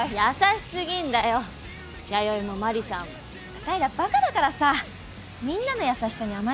あたいらバカだからさみんなの優しさに甘えちゃう。